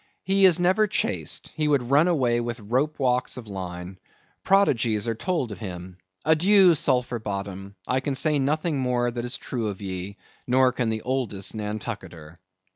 He is never chased; he would run away with rope walks of line. Prodigies are told of him. Adieu, Sulphur Bottom! I can say nothing more that is true of ye, nor can the oldest Nantucketer.